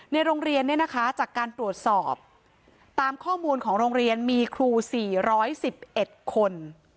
ในโรงเรียนเนี้ยนะคะจากการตรวจสอบตามข้อมูลของโรงเรียนมีครูสี่ร้อยสิบเอ็ดคน